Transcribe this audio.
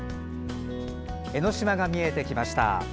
江の島が見えてきました。